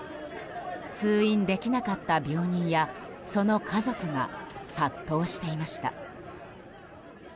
通院できなかった病人やその家族が、殺到していました。